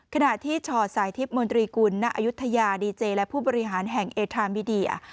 ขณะที่ชอตสายทิพย์มนตรีกุลณอายุทยาดีเจและผู้บริหารแห่งเอทามิเดีย